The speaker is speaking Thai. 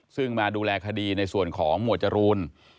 ซึ่งมาดูแลคดีในส่วนของหมวดจรูน